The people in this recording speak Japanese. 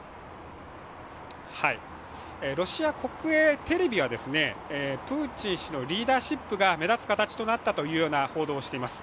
ロシア国営テレビはプーチン氏のリーダーシップが目立つ形となったといった報道をしています。